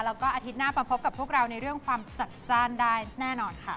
แล้วก็อาทิตย์หน้ามาพบกับพวกเราในเรื่องความจัดจ้านได้แน่นอนค่ะ